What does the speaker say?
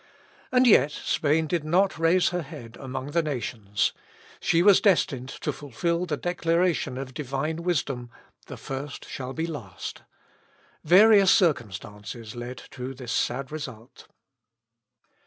And yet Spain did not raise her head among the nations. She was destined to fulfil the declaration of Divine wisdom, "The first shall be last." Various circumstances led to this sad result.